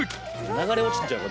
流れ落ちてんちゃうか？